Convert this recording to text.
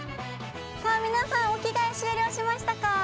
さあ皆さんお着替え終了しましたか？